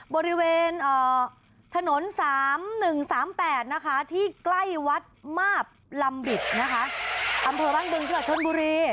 บริเวณถนน๓๑๓๘ที่ใกล้วัดมาบลำบิดอำเภอบ้านกึงชื่อชนบุรี